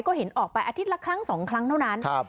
ก็เห็นออกไปอาทิตย์ละครั้ง๒ครั้งเท่านั้น